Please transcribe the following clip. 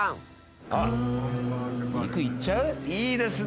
いいですね